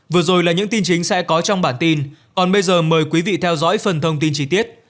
vừa rồi là những tin chính sẽ có trong bản tin còn bây giờ mời quý vị theo dõi phần thông tin chi tiết